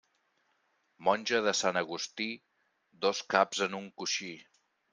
Monja de Sant Agustí, dos caps en un coixí.